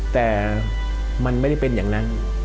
แต่มันไม่ได้เป็นอย่างนั้น